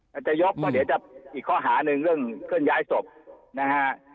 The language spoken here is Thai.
อาจจะยกก็เดี๋ยวจะอีกข้อหาหนึ่งเรื่องเคลื่อนย้ายศพนะฮะ